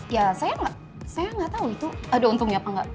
ya saya nggak tahu itu ada untungnya apa enggak